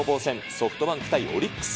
ソフトバンク対オリックス。